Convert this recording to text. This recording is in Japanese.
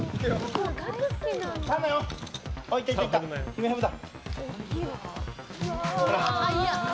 ヒメハブだ。